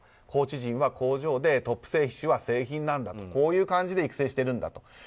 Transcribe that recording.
コーチは工場でトップ選手は製品なんだこういう感じで育成しているんだ。